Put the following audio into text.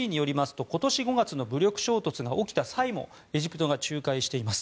ＢＢＣによりますと今年５月の武力衝突が起きた際もエジプトが仲介しています。